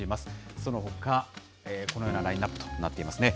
そのほかこのようなラインナップとなっていますね。